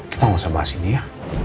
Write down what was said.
kita nggak usah bahas ini ya